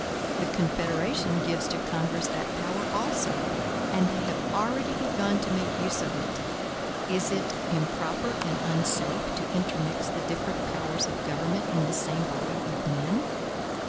The Confederation gives to Congress that power also; and they have already begun to make use of it. Is it improper and unsafe to intermix the different powers of government in the same body of men?